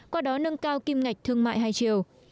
qua đó nâng cao kim ngạch thương mại hai chiều